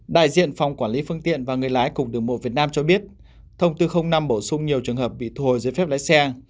đại diện phòng quản lý phương tiện và người lái cục đường bộ việt nam cho biết thông tư năm bổ sung nhiều trường hợp bị thu hồi giấy phép lái xe